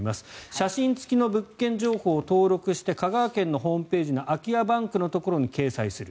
写真付きの物件情報を登録して香川県のホームページの空き家バンクのところに掲載する。